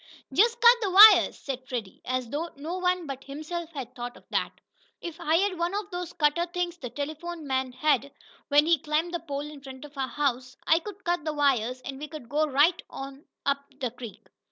"Just cut the wires!" said Freddie, as though no one but himself had thought of that. "If I had one of those cutter things the telephone man had, when he climbed the pole in front of our house, I could cut the wires and we could go right on up the creek."